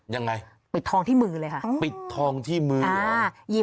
ยังไงปิดทองที่มือเลยค่ะปิดทองที่มือ